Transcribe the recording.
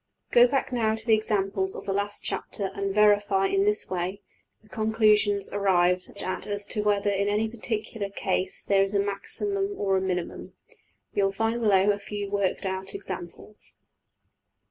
Go back now to the examples of the last chapter and verify in this way the conclusions arrived at as to whether in any particular case there is a maximum or a minimum. You will find below a few worked out examples.